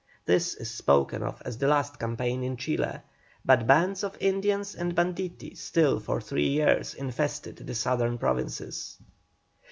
This is spoken of as the last campaign in Chile, but bands of Indians and banditti still for three years infested the southern provinces.